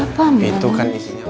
tak ada masalah ya